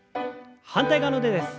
反対側の腕です。